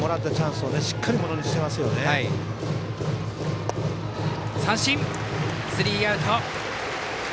スリーアウト。